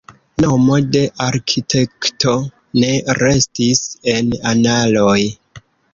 Nomo de arkitekto ne restis en analoj.